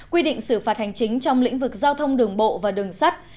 quy định xử phạt hành chính trong lĩnh vực giao thông đường bộ và đường sắt